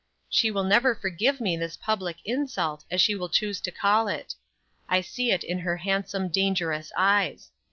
"She will never forgive me this public insult, as she will choose to call it. I see it in her handsome, dangerous eyes.